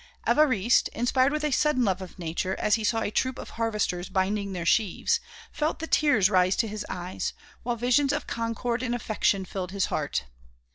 Évariste, inspired with a sudden love of nature, as he saw a troop of harvesters binding their sheaves, felt the tears rise to his eyes, while visions of concord and affection filled his heart.